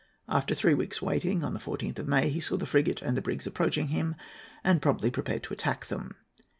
After three weeks' waiting, on the 14th of May, he saw the frigate and the brigs approaching him, and promptly prepared to attack them.